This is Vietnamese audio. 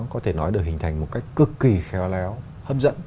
có thể nói được hình thành một cách cực kỳ khéo léo hấp dẫn